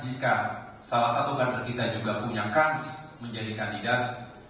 jika salah satu kader kita juga punya kans menjadi kandidat